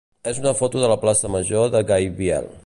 és una foto de la plaça major de Gaibiel.